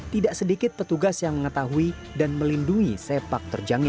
tidak sedikit petugas yang mengetahui dan melindungi sepak terjangnya